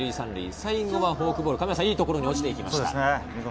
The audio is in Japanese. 最後はフォークボール、いいところに落ちていきました。